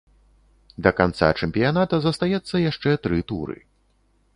Да канца чэмпіяната застаецца яшчэ тры туры.